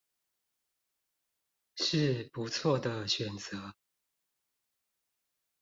是不錯的選擇